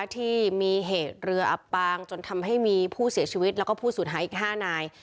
ที่มีเหตุเรืออับปางจนทำให้มีผู้เสียชีวิตแล้วก็ผู้สูญหายอีก๕นาย